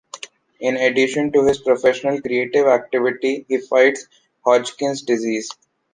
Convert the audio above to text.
In addition to his professional creative activity, he fights Hodgkin’s disease.